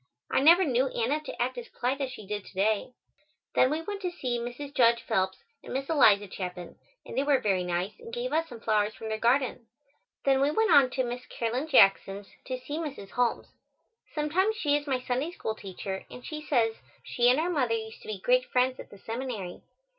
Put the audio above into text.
I never knew Anna to act as polite as she did to day. Then we went to see Mrs. Judge Phelps and Miss Eliza Chapin, and they were very nice and gave us some flowers from their garden. Then we went on to Miss Caroline Jackson's, to see Mrs. Holmes. Sometimes she is my Sunday School teacher, and she says she and our mother used to be great friends at the seminary.